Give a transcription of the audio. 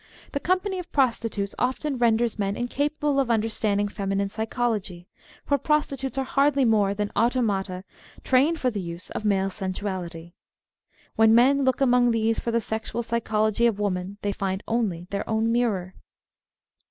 The company of prostitutes often renders men incapable of understanding feminine psychology, for prostitutes are hardly more than auto mata trained for the use of male sensuality. When men look among these for the sexual psychology of woman they find only their own mirror."